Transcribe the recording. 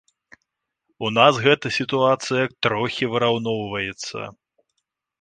У нас гэта сітуацыя трохі выраўноўваецца.